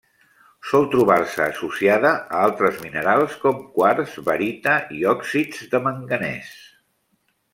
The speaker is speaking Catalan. Sol trobar-se associada a altres minerals com: quars, barita i òxids de manganès.